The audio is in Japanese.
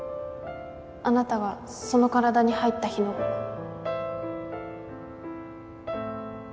あなたがその体に入った日のこと